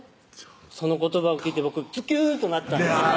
その言葉を聞いて僕ズキューンとなったんです